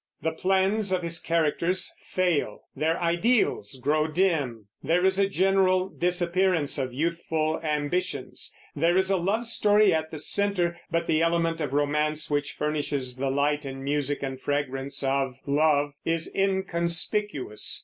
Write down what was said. The plans of his characters fail; their ideals grow dim; there is a general disappearance of youthful ambitions. There is a love story at the center; but the element of romance, which furnishes the light and music and fragrance of love, is inconspicuous.